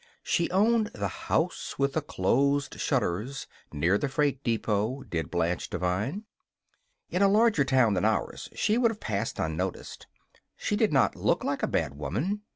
She owned the House with the Closed Shutters, near the freight depot did Blanche Devine. In a larger town than ours she would have passed unnoticed. She did not look like a bad woman.